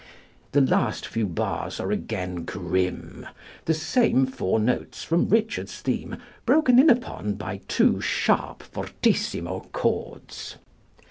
The last few bars are again grim, the same four notes from Richard's theme broken in upon by two sharp fortissimo chords.